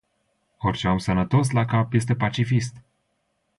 Orice om sănătos la cap este pacifist.